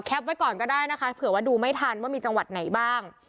ไว้ก่อนก็ได้นะคะเผื่อว่าดูไม่ทันว่ามีจังหวัดไหนบ้าง